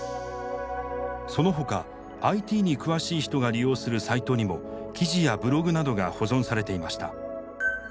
そのほかＩＴに詳しい人が利用するサイトにも記事やブログなどが保存されていました。